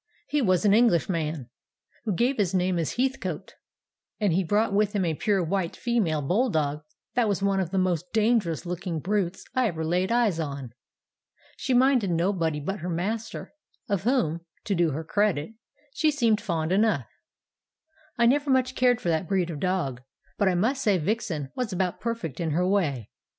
He was an Englishman, who gave his name as Heathcote, and he brought with him a pure white female bull dog that was one of the most dangerous looking brutes I ever laid eyes on. She minded nobody but her master, of whom, to do her credit, she seemed fond enough. "I never much cared for that breed of dog, but I must say Vixen was about perfect in her way.